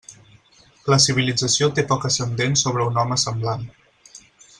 La civilització té poc ascendent sobre un home semblant.